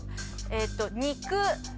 肉。